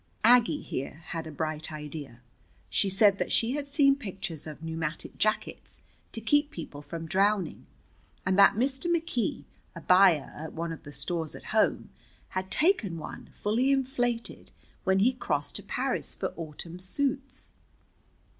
Aggie here had a bright idea. She said that she had seen pictures of pneumatic jackets to keep people from drowning, and that Mr. McKee, a buyer at one of the stores at home, had taken one, fully inflated, when he crossed to Paris for autumn suits.